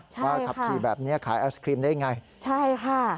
ใช่ค่ะว่าขับขี่แบบนี้ขายไอศครีมได้อย่างไร